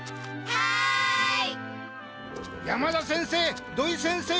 はい。